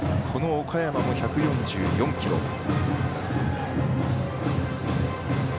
この岡山も１４４キロ。